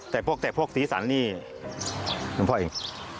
แต่พวกศรีสรรค์นี่เป็นพ่อเอง